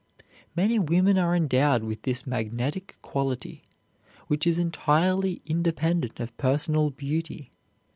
Many women are endowed with this magnetic quality, which is entirely independent of personal beauty.